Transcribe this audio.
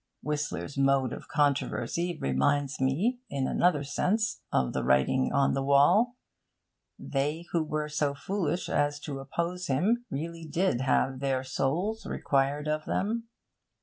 Whistler's mode of controversy reminds me, in another sense, of the writing on the wall. They who were so foolish as to oppose him really did have their souls required of them.